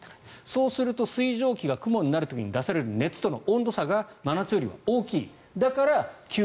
そうすると水蒸気が雲になる時に出される熱との温度差が真夏よりも大きい。